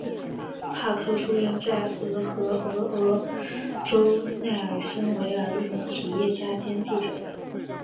帕克出生在俄亥俄州奈尔森维尔是一名企业家兼记者。